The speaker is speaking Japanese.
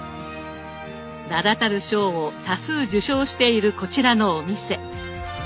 名だたる賞を多数受賞しているこちらのお店。